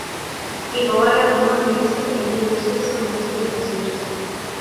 Kikowalang ngony mising eng kenyisiek sosom che kikosirto